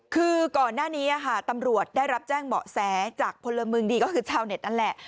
คือก่อนหน้านี้ตำรวจได้รับแจ้งเบาะแสจากพลเมืองดีก็คือชาวเน็ตนั่นแหละ